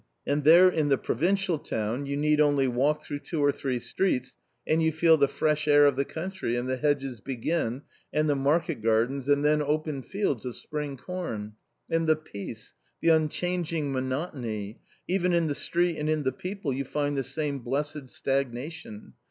And there in the provincial town you need only walk through two or three streets and you feel the fresh air of the country and the hedges begin and the market gardens and then open fields of spring corn. And the peace, the unchanging monotony — even in the street and in the people you find this same blessed stagnation